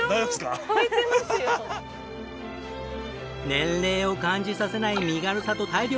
年齢を感じさせない身軽さと体力。